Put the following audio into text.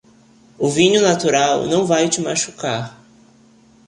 O vinho natural não vai te machucar.